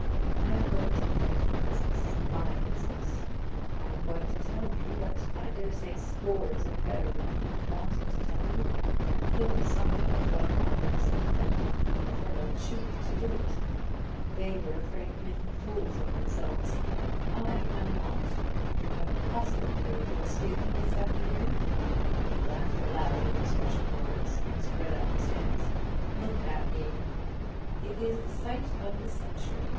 I am going to end the business my business. I am going to tell you what I dare say scores of better men have wanted to tell you, but couldn't summon up what I have summoned up the infernal cheek to do it. They were afraid of making fools of themselves. I am not. You have accustomed me to the feeling this afternoon." He laughed aloud in his rush of words, and spread out his hands. "Look at me! It is the sight of the century!